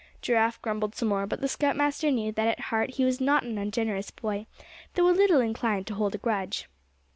Giraffe grumbled some more, but the scoutmaster knew that at heart he was not an ungenerous boy, though a little inclined to hold a grudge.